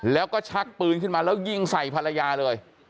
แล้วก็ชักปืนขึ้นมาแล้วยิงใส่ภรรยาเลย